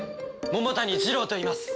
桃谷ジロウといいます。